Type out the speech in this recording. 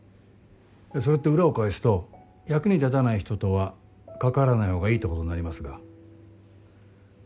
それって裏を返すと役に立たない人とは関わらない方がいいってことになりますが。